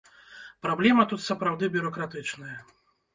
Праблема тут сапраўды бюракратычная.